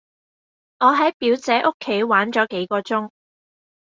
我喺表姐屋企玩咗幾個鐘